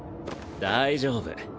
大丈夫。